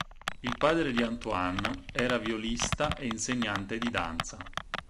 Il padre di Antoine era violista e insegnante di danza.